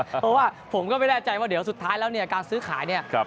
เพราะว่าผมก็ไม่แน่ใจว่าเดี๋ยวสุดท้ายแล้วเนี่ยการซื้อขายเนี่ย